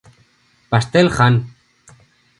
Pastel Jan